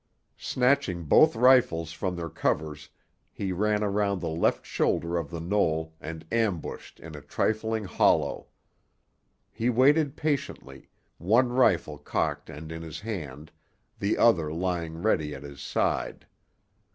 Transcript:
Snatching both rifles from their covers, he ran around the left shoulder of the knoll and ambushed in a trifling hollow. He waited patiently, one rifle cocked and in his hand, the other lying ready at his side.